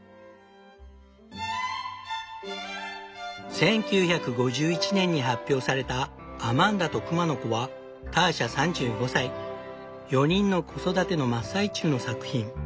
１９５１年に発表された「アマンダとくまの子」はターシャ３５歳４人の子育ての真っ最中の作品。